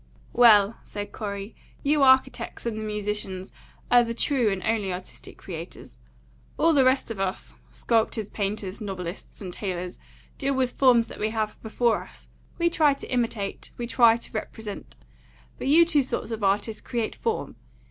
"Well," said Corey, "you architects and the musicians are the true and only artistic creators. All the rest of us, sculptors, painters, novelists, and tailors, deal with forms that we have before us; we try to imitate, we try to represent. But you two sorts of artists create form.